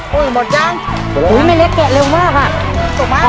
เฮ้ยหมดยังโหยแม่แร็กแกะเร็วมากอะสุดมาก